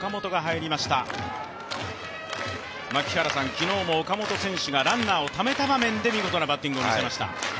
昨日も岡本選手がランナーをためた場面で見事なバッティングを見せました。